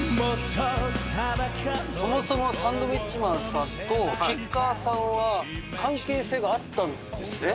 そもそもサンドウィッチマンさんと吉川さんは関係性があったんですね？